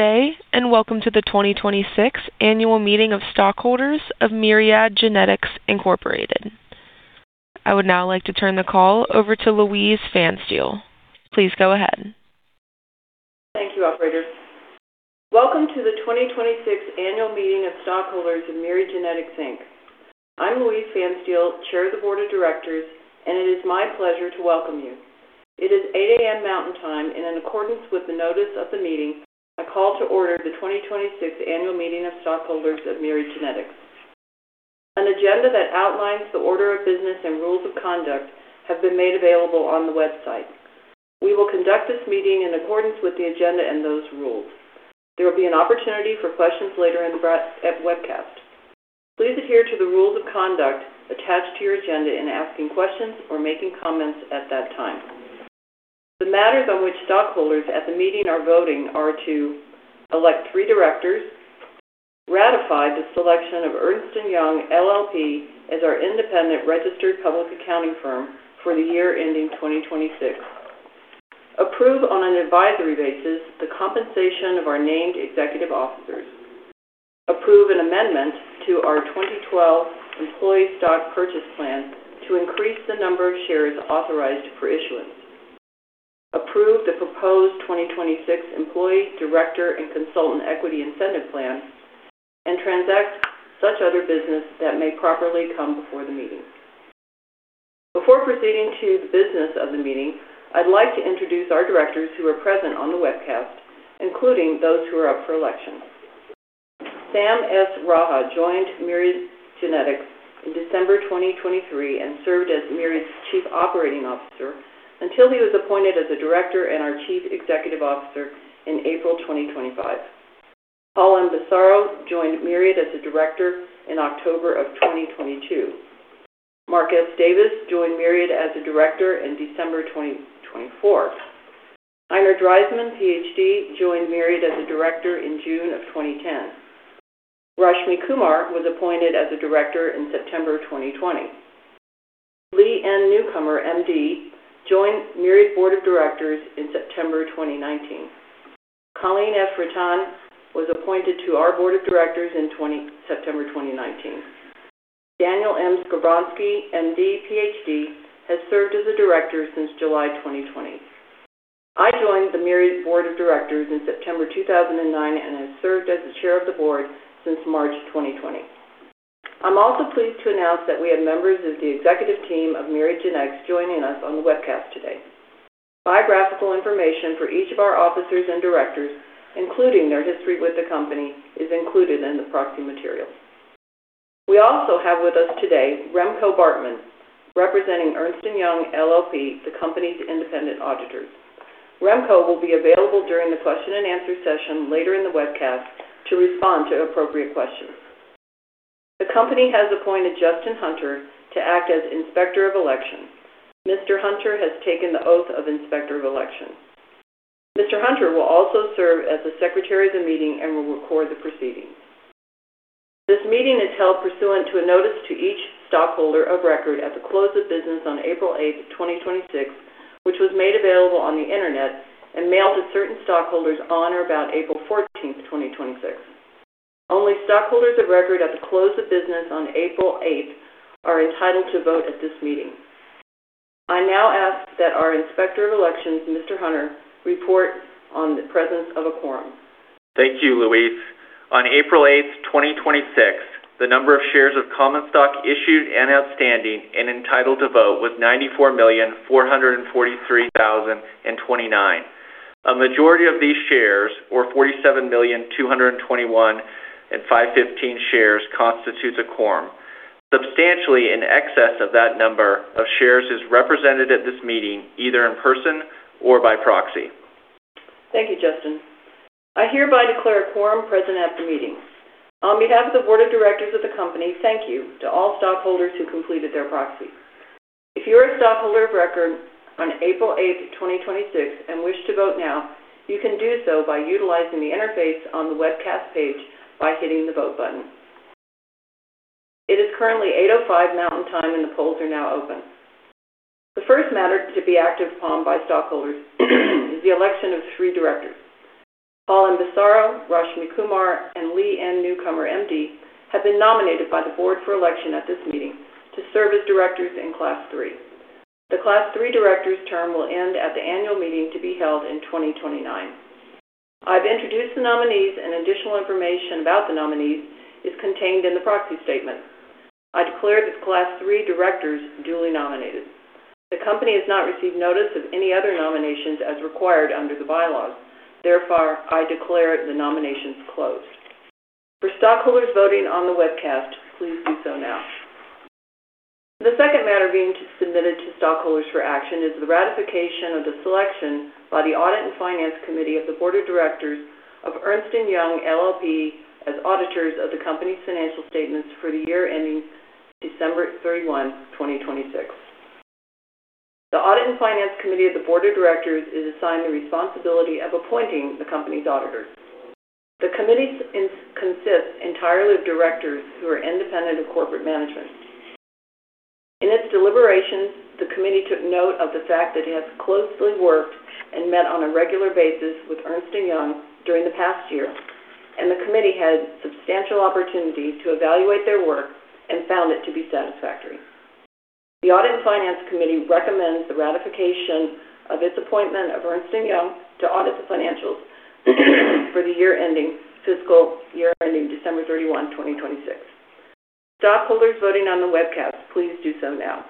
Day, welcome to the 2026 annual meeting of stockholders of Myriad Genetics, Inc. I would now like to turn the call over to Louise Phanstiel. Please go ahead. Thank you, operator. Welcome to the 2026 annual meeting of stockholders of Myriad Genetics, Inc. I'm Louise Phanstiel, Chair of the Board of Directors, and it is my pleasure to welcome you. It is 8:00 A.M. Mountain Time, and in accordance with the notice of the meeting, I call to order the 2026 annual meeting of stockholders of Myriad Genetics. An agenda that outlines the order of business and rules of conduct have been made available on the website. We will conduct this meeting in accordance with the agenda and those rules. There will be an opportunity for questions later in the webcast. Please adhere to the rules of conduct attached to your agenda in asking questions or making comments at that time. The matters on which stockholders at the meeting are voting are to elect three directors, ratify the selection of Ernst & Young LLP as our independent registered public accounting firm for the year ending 2026, approve on an advisory basis the compensation of our named executive officers, approve an amendment to our 2012 Employee Stock Purchase Plan to increase the number of shares authorized for issuance, approve the proposed 2026 Employee Director and Consultant Equity Incentive Plan, and transact such other business that may properly come before the meeting. Before proceeding to the business of the meeting, I'd like to introduce our directors who are present on the webcast, including those who are up for election. Sam Raha joined Myriad Genetics in December 2023 and served as Myriad's Chief Operating Officer until he was appointed as a director and our Chief Executive Officer in April 2025. Paul M. Bisaro joined Myriad as a Director in October of 2022. Mark S. Davis joined Myriad as a Director in December 2024. Heiner Dreismann, PhD, joined Myriad as a Director in June of 2010. Rashmi Kumar was appointed as a Director in September 2020. Lee N. Newcomer, MD, joined Myriad Board of Directors in September 2019. Colleen F. Reitan was appointed to our board of directors in September 2019. Daniel M. Skovronsky, MD, PhD, has served as a director since July 2020. I joined the Myriad Board of Directors in September 2009 and have served as the Chair of the board since March 2020. I'm also pleased to announce that we have members of the executive team of Myriad Genetics joining us on the webcast today. Biographical information for each of our officers and directors, including their history with the company, is included in the proxy materials. We also have with us today Remco Koopman, representing Ernst & Young LLP, the company's independent auditors. Remco will be available during the question-and-answer session later in the webcast to respond to appropriate questions. The company has appointed Justin Hunter to act as Inspector of Elections. Mr. Hunter has taken the oath of Inspector of Elections. Mr. Hunter will also serve as the secretary of the meeting and will record the proceedings. This meeting is held pursuant to a notice to each stockholder of record at the close of business on April 8th, 2026, which was made available on the internet and mailed to certain stockholders on or about April 14th, 2026. Only stockholders of record at the close of business on April 8th are entitled to vote at this meeting. I now ask that our Inspector of Elections, Mr. Hunter, report on the presence of a quorum. Thank you, Louise. On April 8th, 2026, the number of shares of common stock issued and outstanding and entitled to vote was 94,443,029. A majority of these shares, or 47,221,515 shares, constitutes a quorum. Substantially in excess of that number of shares is represented at this meeting, either in person or by proxy. Thank you, Justin. I hereby declare a quorum present at the meeting. On behalf of the board of directors of the company, thank you to all stockholders who completed their proxy. If you are a stockholder of record on April 8th, 2026, and wish to vote now, you can do so by utilizing the interface on the webcast page by hitting the vote button. It is currently 8:05 A.M. Mountain Time, and the polls are now open. The first matter to be acted upon by stockholders is the election of three directors. Paul M. Bisaro, Rashmi Kumar, and Lee N. Newcomer, MD, have been nominated by the board for election at this meeting to serve as directors in Class III. The Class III directors' term will end at the annual meeting to be held in 2029. I've introduced the nominees, and additional information about the nominees is contained in the proxy statement. I declare this Class III directors duly nominated. The company has not received notice of any other nominations as required under the bylaws. Therefore, I declare the nominations closed. For stockholders voting on the webcast, please do so now. The second matter being submitted to stockholders for action is the ratification of the selection by the Audit and Finance Committee of the Board of Directors of Ernst & Young LLP as auditors of the company's financial statements for the year ending December 31, 2026. The Audit and Finance Committee of the Board of Directors is assigned the responsibility of appointing the company's auditors. The committee consists entirely of directors who are independent of corporate management. In its deliberations, the committee took note of the fact that it has closely worked and met on a regular basis with Ernst & Young during the past year, and the committee had substantial opportunities to evaluate their work and found it to be satisfactory. The Audit and Finance Committee recommends the ratification of its appointment of Ernst & Young to audit the financials for the fiscal year ending December 31, 2026. Stockholders voting on the webcast, please do so now.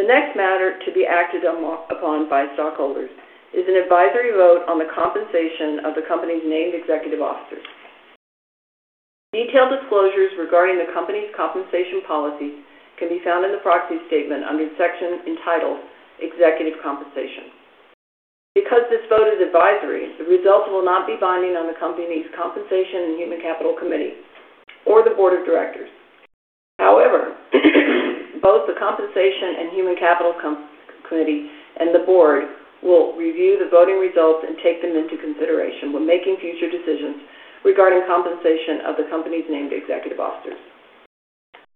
The next matter to be acted upon by stockholders is an advisory vote on the compensation of the company's named executive officers. Detailed disclosures regarding the company's compensation policies can be found in the proxy statement under the section entitled "Executive Compensation." Because this vote is advisory, the results will not be binding on the company's Compensation and Human Capital Committee or the Board of Directors. However, both the Compensation and Human Capital Committee and the Board will review the voting results and take them into consideration when making future decisions regarding compensation of the company's named executive officers.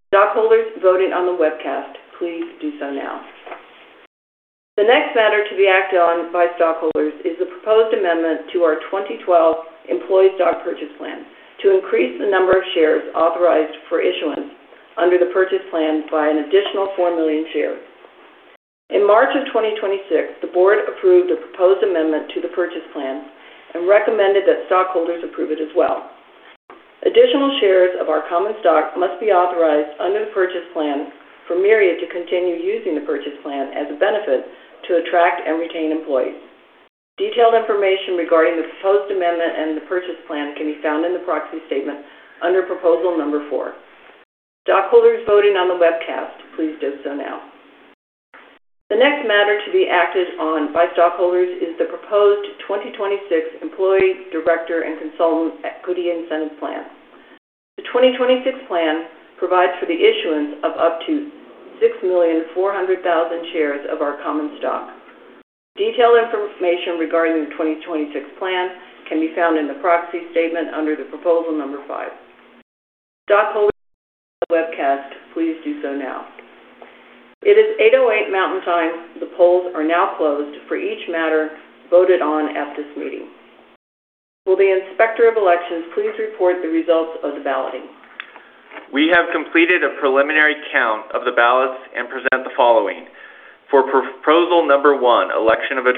Stockholders voting on the webcast, please do so now. The next matter to be acted on by stockholders is the proposed amendment to our 2012 Employee Stock Purchase Plan to increase the number of shares authorized for issuance under the purchase plan by an additional 4 million shares. In March of 2026, the Board approved a proposed amendment to the purchase plan and recommended that stockholders approve it as well. Additional shares of our common stock must be authorized under the purchase plan for Myriad to continue using the purchase plan as a benefit to attract and retain employees. Detailed information regarding the proposed amendment and the purchase plan can be found in the proxy statement under proposal number four. Stockholders voting on the webcast, please do so now. The next matter to be acted on by stockholders is the proposed 2026 Employee Director and Consultant Equity Incentive Plan. The 2026 plan provides for the issuance of up to 6,400,000 shares of our common stock. Detailed information regarding the 2026 plan can be found in the proxy statement under the proposal number five. Stockholders on the webcast, please do so now. It is 8:08 A.M. Mountain Time. The polls are now closed for each matter voted on at this meeting. Will the Inspector of Elections please report the results of the balloting? We have completed a preliminary count of the ballots and present the following. For proposal number one, election of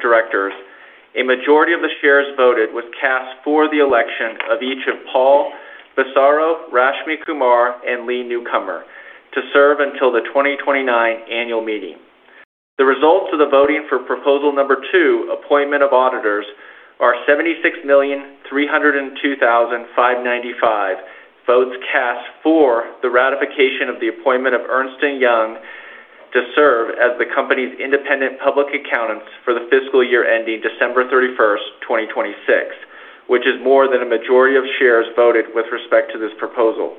directors, a majority of the shares voted was cast for the election of each of Paul Bisaro, Rashmi Kumar, and Lee Newcomer to serve until the 2029 annual meeting. The results of the voting for proposal number two, appointment of auditors, are 76,302,595 votes cast for the ratification of the appointment of Ernst & Young to serve as the company's independent public accountants for the fiscal year ending December 31st, 2026, which is more than a majority of shares voted with respect to this proposal.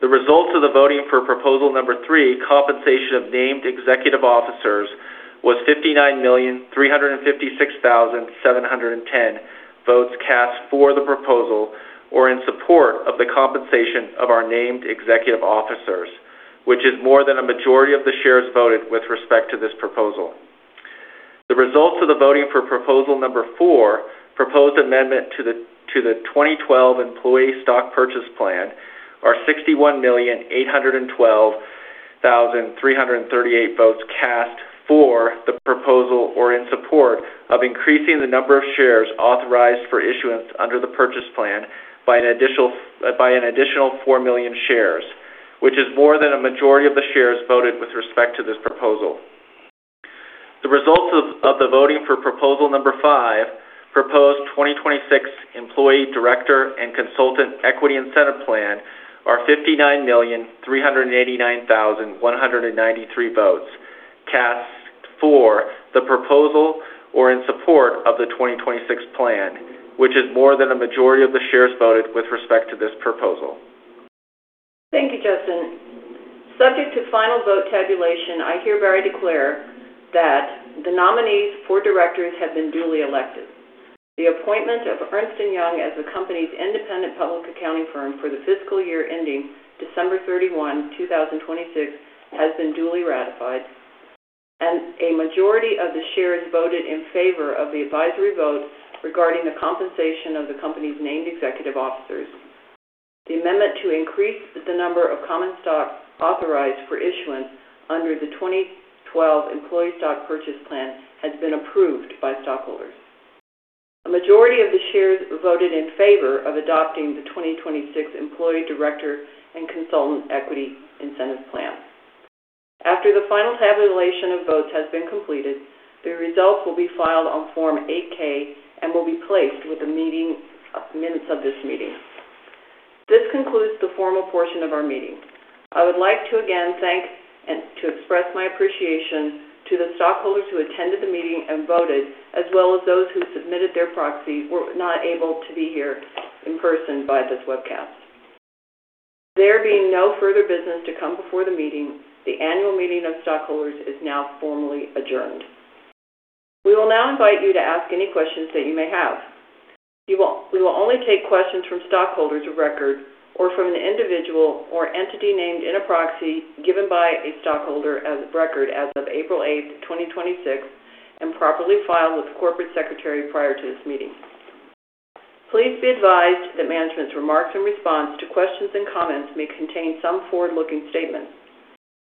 The results of the voting for proposal number three, compensation of named executive officers, was 59,356,710 votes cast for the proposal or in support of the compensation of our named executive officers, which is more than a majority of the shares voted with respect to this proposal. The results of the voting for proposal number four, proposed amendment to the 2012 Employee Stock Purchase Plan, are 61,812,338 votes cast for the proposal or in support of increasing the number of shares authorized for issuance under the purchase plan by an additional 4 million shares, which is more than a majority of the shares voted with respect to this proposal. The results of the voting for proposal number five, proposed 2026 Employee Director and Consultant Equity Incentive Plan, are 59,389,193 votes cast for the proposal or in support of the 2026 plan, which is more than a majority of the shares voted with respect to this proposal. Thank you, Justin. Subject to final vote tabulation, I hereby declare that the nominees for directors have been duly elected. The appointment of Ernst & Young as the company's independent public accounting firm for the fiscal year ending December 31, 2026, has been duly ratified, and a majority of the shares voted in favor of the advisory vote regarding the compensation of the company's named executive officers. The amendment to increase the number of common stock authorized for issuance under the 2012 Employee Stock Purchase Plan has been approved by stockholders. A majority of the shares voted in favor of adopting the 2026 Employee Director and Consultant Equity Incentive Plan. After the final tabulation of votes has been completed, the results will be filed on Form 8-K and will be placed with the minutes of this meeting. This concludes the formal portion of our meeting. I would like to again thank and to express my appreciation to the stockholders who attended the meeting and voted, as well as those who submitted their proxy, were not able to be here in person by this webcast. There being no further business to come before the meeting, the annual meeting of stockholders is now formally adjourned. We will now invite you to ask any questions that you may have. We will only take questions from stockholders of record or from an individual or entity named in a proxy given by a stockholder as of record as of April 8th, 2026, and properly filed with the corporate secretary prior to this meeting. Please be advised that management's remarks in response to questions and comments may contain some forward-looking statements.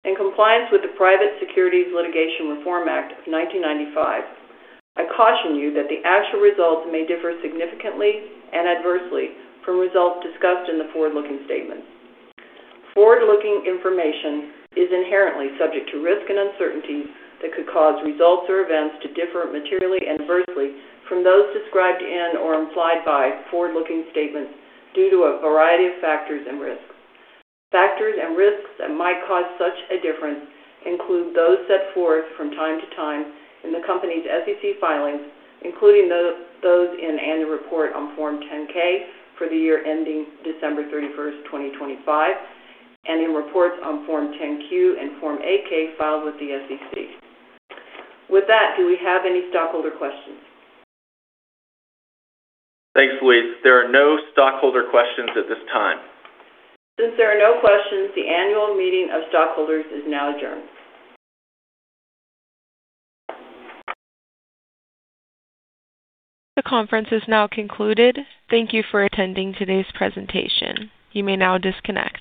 In compliance with the Private Securities Litigation Reform Act of 1995, I caution you that the actual results may differ significantly and adversely from results discussed in the forward-looking statements. Forward-looking information is inherently subject to risk and uncertainty that could cause results or events to differ materially and adversely from those described in or implied by forward-looking statements due to a variety of factors and risks. Factors and risks that might cause such a difference include those set forth from time to time in the company's SEC filings, including those in annual report on Form 10-K for the year ending December 31st, 2025, and in reports on Form 10-Q and Form 8-K filed with the SEC. With that, do we have any stockholder questions? Thanks, Louise. There are no stockholder questions at this time. Since there are no questions, the annual meeting of stockholders is now adjourned. The conference is now concluded. Thank you for attending today's presentation. You may now disconnect.